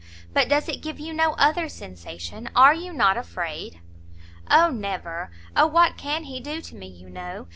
But does it give you no other sensation? are you not afraid?" "O never! O what can he do to me, you know?